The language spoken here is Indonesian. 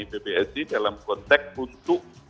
pbsi dalam kontek untuk